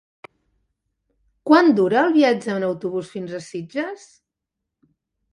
Quant dura el viatge en autobús fins a Sitges?